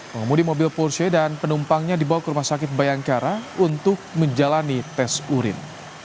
pengemudi mobil porsche dan penumpangnya dibawa ke rumah sakit bayangkara untuk menjalani tes urin